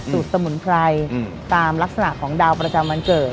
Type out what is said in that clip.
สมุนไพรตามลักษณะของดาวประจำวันเกิด